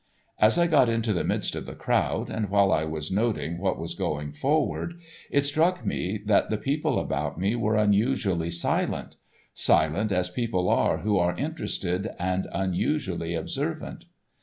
As I got into the midst of the crowd, and while I was noting what was going forward, it struck me that the people about me were unusually silent—silent as people are who are interested and unusually observant.